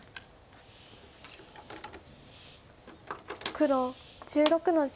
黒１６の十。